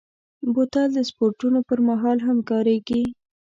بوتل د سپورټونو پر مهال هم کارېږي.